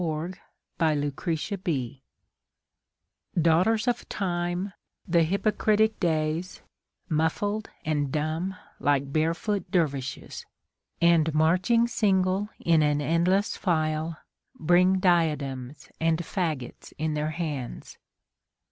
Ralph Waldo Emerson Days DAUGHTERS of Time, the hypocritic Days, Muffled and dumb like barefoot dervishes, And marching single in an endless file, Bring diadems and faggots in their hands.